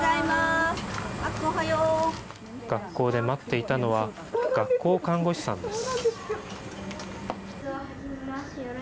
あっくん、学校で待っていたのは、学校看護師さんです。